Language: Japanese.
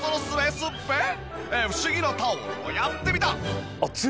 不思議なタオルをやってみた！